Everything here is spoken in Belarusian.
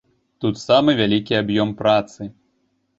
Тут самы вялікі аб'ём працы.